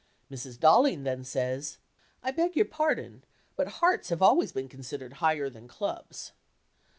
Mrs. Dollings then says, "I beg your pardon, but hearts have always been considered higher than clubs."